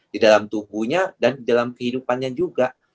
di dalam tubuhnya dan di dalam kehidupannya juga